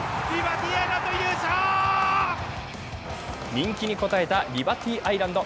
人気に応えたリバティアイランド。